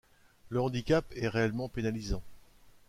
Le handicap est réellement pénalisant.